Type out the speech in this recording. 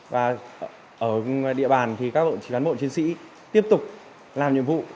và ở địa bàn thì các cán bộ chiến sĩ tiếp tục làm nhiệm vụ